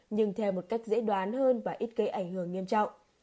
nhưng theo một cách dễ đoán hơn và ít gây ảnh hưởng nghiêm trọng